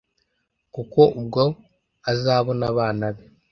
kuko ubwo azabona abana be